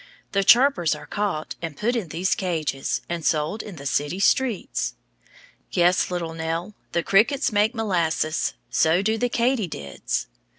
The chirpers are caught and put in these cages, and sold in the city streets. Yes, little Nell, the crickets make molasses. So do the katydids.